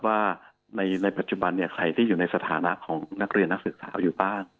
ว่าในปัจจุบันเนี่ยใครที่อยู่ในสถานะของนักเรียนนักศึกษาอยู่บ้าง